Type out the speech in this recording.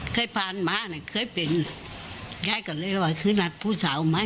เคยพามาเคยเป็นได้เรือกันเลยคือนาฏผู้สาวม้าย